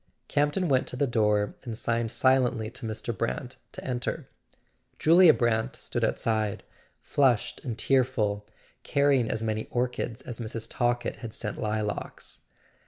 Campton went to the door and signed silently to Mr. Brant to enter. Julia Brant stood outside, flushed and tearful, carrying as many orchids as Mrs. Talkett had sent lilacs.